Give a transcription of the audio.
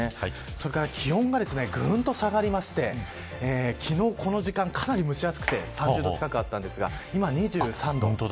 それから気温がぐんと下がりまして昨日この時間、かなり蒸し暑くて３０度近くあったんですが今、２３度。